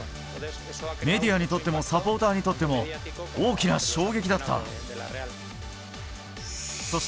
メディアにとってもサポーターにとっても、大きな衝撃だった。